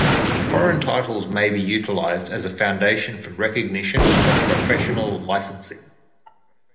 Foreign titles may be utilized as a foundation for recognition of professional licensing.